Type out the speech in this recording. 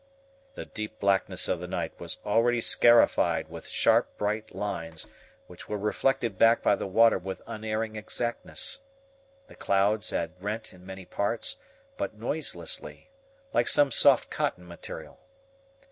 The deep blackness of the night was already scarified with sharp bright lines, which were reflected back by the water with unerring exactness. The clouds had rent in many parts, but noiselessly, like some soft cotton material.